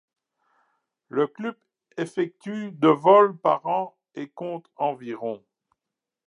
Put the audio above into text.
Le club effectue de vol par an et compte environ.